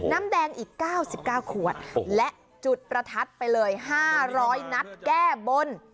น้ำแดงอีกเก้าสิบเก้าขวดและจุดประทัดไปเลยห้าร้อยนัดแก้บน